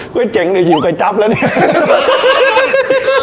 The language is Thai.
กล้วยเจ๋งเดี๋ยวหิวใครจับแล้วเนี้ย